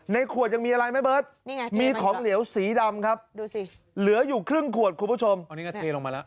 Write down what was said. ในขวดยังมีอะไรไหมเบิร์ทมีของเหลวสีดำครับ